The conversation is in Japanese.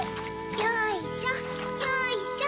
よいしょよいしょ。